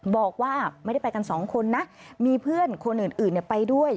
บอกว่าไม่ได้ไปกันสองคนนะมีเพื่อนคนอื่นไปด้วย